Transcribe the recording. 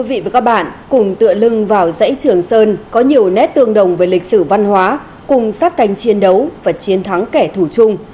các bạn cùng tựa lưng vào dãy trường sơn có nhiều nét tương đồng với lịch sử văn hóa cùng sát cành chiến đấu và chiến thắng kẻ thù chung